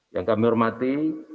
yang kami hormati